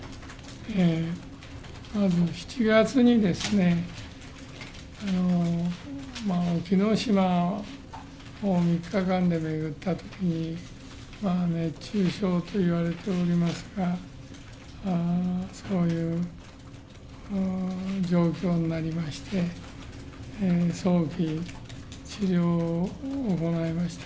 まず７月に、おきのしまを３日間で巡ったときに、熱中症といわれておりますが、そういう状況になりまして、早期治療を行いました。